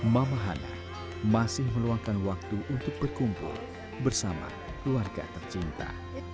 mama hana masih meluangkan waktu untuk berkumpul bersama keluarga tercinta